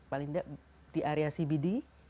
paling tidak di area cbd